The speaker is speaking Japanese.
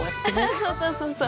そうそうそうそう。